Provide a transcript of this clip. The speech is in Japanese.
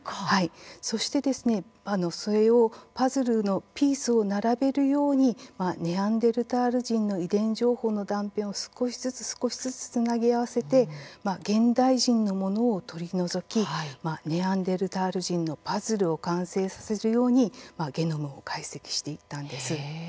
そして、それをパズルのピースを並べるようにネアンデルタール人の遺伝情報の断片を少しずつ少しずつつなぎ合わせて現代人のものを取り除きネアンデルタール人のパズルを完成させるようにゲノムを解析していったんです。